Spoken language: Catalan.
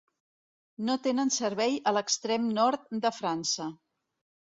No tenen servei a l'extrem nord de França.